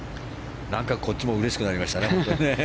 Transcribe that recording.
何か、こっちもうれしくなりましたね。